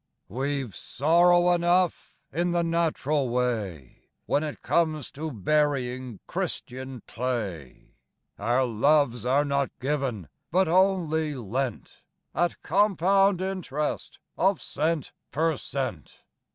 We've sorrow enough in the natural way, When it comes to burying Christian clay. Our loves are not given, but only lent, At compound interest of cent per cent.